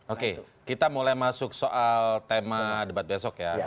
oke kita mulai masuk soal tema debat besok ya